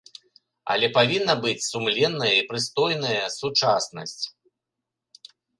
Але павінна быць сумленная і прыстойная сучаснасць.